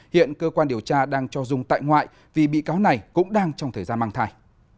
hiện cơ quan điều tra đang cho dung tại ngoại vì bị cáo này cũng đang trong thời gian mang thai